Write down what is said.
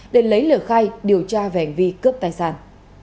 để lấy lời khai điều tra về hành vi cướp tài sản